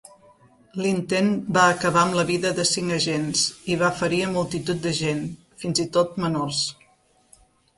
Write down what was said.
L'intent va acabar amb la vida de cinc agents i va ferir a multitud de gent, fins i tot menors.